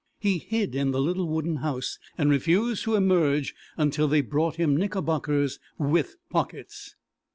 He hid in the little wooden house, and refused to emerge until they brought him knickerbockers with pockets.